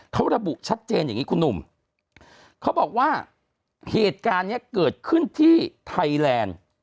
เขาระบุชัดเจนอย่างนี้คุณหนุ่มเขาบอกว่าเหตุการณ์เนี้ยเกิดขึ้นที่ไทยแลนด์